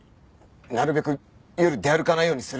なるべく夜出歩かないようにするとかさ。